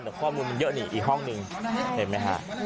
แต่ข้อมูลมันเยอะนี่อีกห้องนึงเห็นไหมฮะ